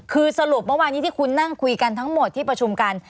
คือสรุปเมื่อวานนี้ที่คุณนั่งคุยกันทั้งหมดที่ประชุมกัน